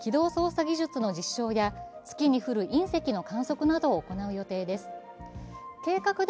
月の近くで軌道操作技術の実証や月に降る隕石の観測などを行う予定です。